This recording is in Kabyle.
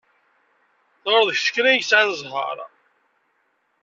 Tɣileḍ kečč kan i yesɛan zzheṛ?